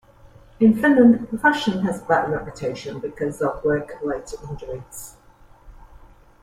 In Finland the profession has had a bad reputation because of work-related injuries.